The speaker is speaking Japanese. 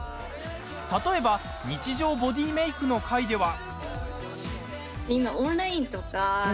例えば日常ボディーメイクの回では。